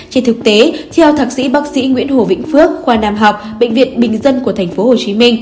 trên thực tế theo thạc sĩ bác sĩ nguyễn hồ vĩnh phước khoa nam học bệnh viện bình dân của tp hcm